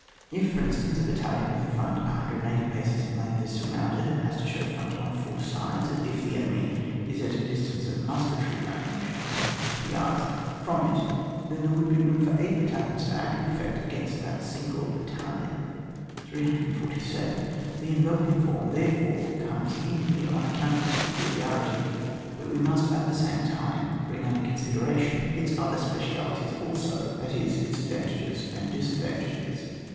If, for instance, a battalion with a front 180 paces in length is surrounded, and has to show front on four sides, and if the enemy is at a distance of musketry range, (150 yards) from, it, then there would be room for eight battalions to act with effect against that single battalion* 347. The enveloping form therefore comes in here on account of this peculi arity; but we must at the same time bring under consideration its other 154 ON WAR. Bpecialities also, that is its advantages and disadvantages.